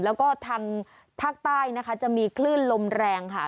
แล้วก็ทางภาคใต้นะคะจะมีคลื่นลมแรงค่ะ